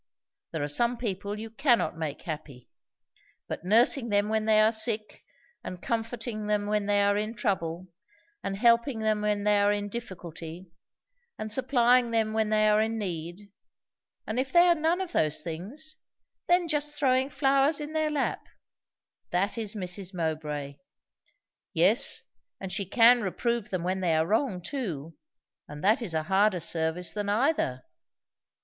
There are some people you cannot make happy. But nursing them when they are sick, and comforting them when they are in trouble, and helping them when they are in difficulty, and supplying them when they are in need, and if they are none of those things, then just throwing flowers in their lap, that is Mrs. Mowbray. Yes, and she can reprove them when they are wrong, too; and that is a harder service than either."